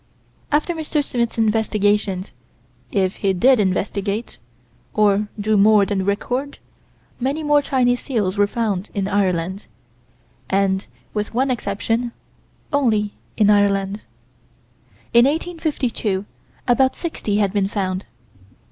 After Mr. Smith's investigations if he did investigate, or do more than record many more Chinese seals were found in Ireland, and, with one exception, only in Ireland. In 1852, about 60 had been found.